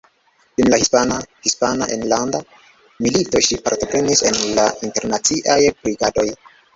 Dum la hispana Hispana Enlanda Milito ŝi partoprenis en la Internaciaj Brigadoj.